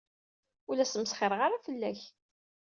Ur la smesxireɣ ara fell-ak.